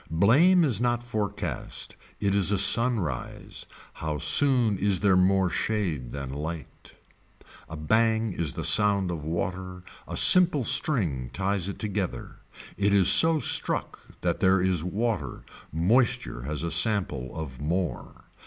Blame is not forecast it is a sunrise, how soon is there more shade than light. A bang is the sound of water, a simple string ties it together. It is so struck that there is water, moisture has a sample of more.